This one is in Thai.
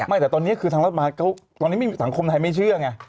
แต่ตอนนี้คือทางรัฐบาลตอนนี้สังคมไทยไม่เชื่อไง